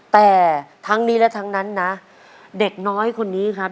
แต่ทั้งนี้และทั้งนั้นนะเด็กน้อยคนนี้ครับ